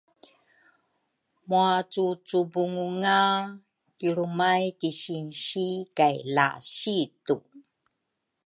muacucubungunga kilrumay ki sinsi kay lasitu.